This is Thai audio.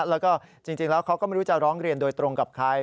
แล้วก็จริงแล้วเขาก็ไม่รู้จะร้องเรียนโดยตรงกับใคร